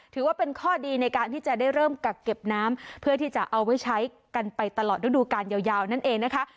ถือว่าเป็นข้อดีในการที่จะได้เริ่มกักเก็บน้ำเพื่อที่จะเอาไว้ใช้กันไปตลอดฤดูกาลยาวนั่นเองนะคะ